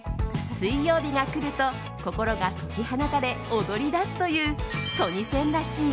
水曜日が来ると心が解き放たれ踊り出すというトニセンらしい